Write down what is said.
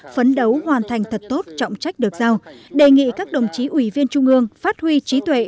phấn đấu hoàn thành thật tốt trọng trách được giao đề nghị các đồng chí ủy viên trung ương phát huy trí tuệ